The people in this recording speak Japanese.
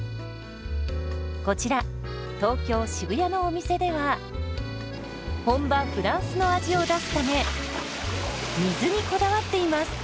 こちら東京・渋谷のお店では本場フランスの味を出すため水にこだわっています。